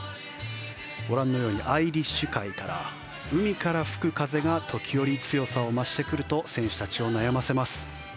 ご覧のようにアイリッシュ海から海から吹く風が時折強さを増してくると選手たちを悩ませます。